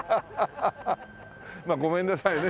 ごめんなさいね。